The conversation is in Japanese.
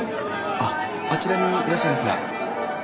あちらにいらっしゃいますが。